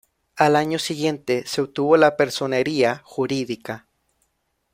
Al año siguiente se obtuvo la personería jurídica.